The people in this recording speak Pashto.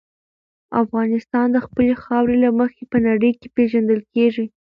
افغانستان د خپلې خاورې له مخې په نړۍ کې پېژندل کېږي.